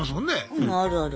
うんあるある。